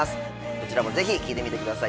どちらもぜひ聴いてみてください。